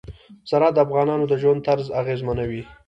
زراعت د افغانانو د ژوند طرز اغېزمنوي.